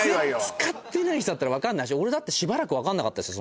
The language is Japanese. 使ってない人だったらわかんないし俺だってしばらくわかんなかったですよ